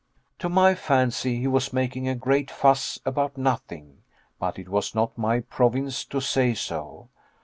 To my fancy he was making a great fuss about nothing, but it was not my province to say so.